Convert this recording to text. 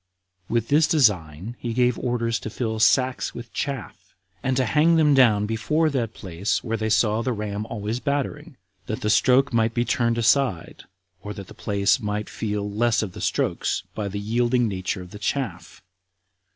With this design he gave orders to fill sacks with chaff, and to hang them down before that place where they saw the ram always battering, that the stroke might be turned aside, or that the place might feel less of the strokes by the yielding nature of the chaff.